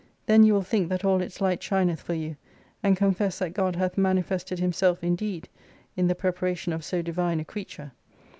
Then you will think that all its light shineth for you, and confess that God hath manifested Himself indeed, in the preparation of so divine a creature.